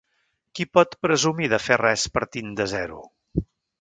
Qui pot presumir de fer res partint de zero?